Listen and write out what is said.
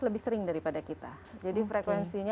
lebih sering daripada kita jadi frekuensinya